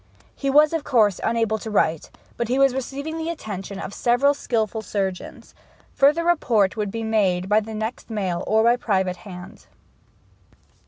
He was, of course, unable to write, but he was receiving the attention of several skilful surgeons. Further report would be made by the next mail or by private hand.